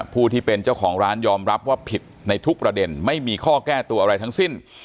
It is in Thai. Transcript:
ผู้ที่เป็นเจ้าของร้านยอมรับว่าผิดในทุกประเด็นไม่มีข้อแก้ตัวอะไรทั้งสิ้น